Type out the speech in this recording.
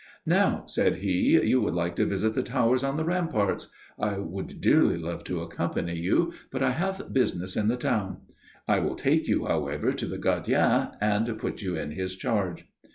"Now," said he, "you would like to visit the towers on the ramparts. I would dearly love to accompany you, but I have business in the town. I will take you, however, to the gardien and put you in his charge."